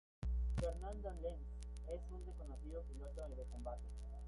Fernando Lens es un reconocido piloto de combate.